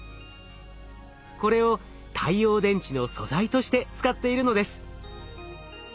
これを太陽電池の素材として使っているのです。